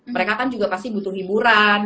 mereka kan juga pasti butuh hiburan